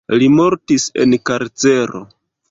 Li mortis en karcero.